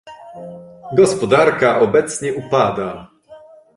Gospodarka obecnie upada